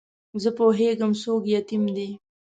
زه پوهېږم څوک یتیم دی.